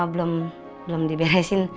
belum belum diberesin